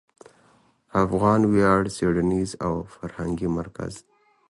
افغان ویاړ څېړنیز او فرهنګي مرکز